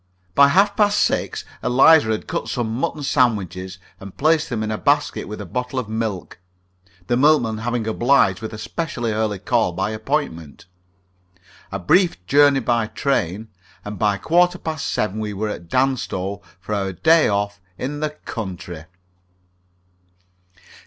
By half past six Eliza had cut some mutton sandwiches and placed them in a basket with a bottle of milk the milkman having obliged with a specially early call by appointment. A brief journey by train, and by a quarter past seven we were at Danstow for our day off in the country.